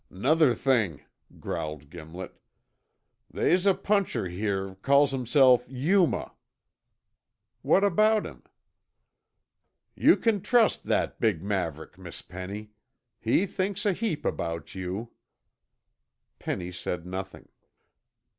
"Nuther thing," growled Gimlet, "they's a puncher here, callin' hisself, 'Yuma.'" "What about him?" "Yuh c'n trust that big maverick, Miss Penny. He thinks a heap about you." Penny said nothing.